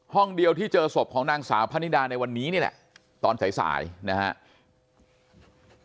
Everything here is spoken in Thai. ห้องเดียวที่เจอศพของนางสาวพะนิดาในวันนี้นี่แหละตอนสายสายนะครับ